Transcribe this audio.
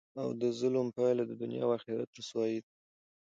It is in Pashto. او دظلم پایله د دنیا او اخرت رسوايي ده،